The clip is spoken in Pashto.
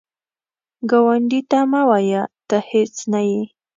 ګاونډي ته مه وایه “ته هیڅ نه یې”